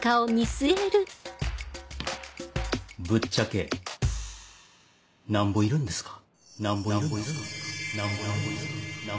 ぶっちゃけなんぼいるんですか？